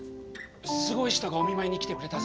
すごい人がお見舞いに来てくれたぞ！